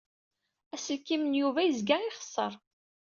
Aselkim n Yuba yezga ixeṣṣer.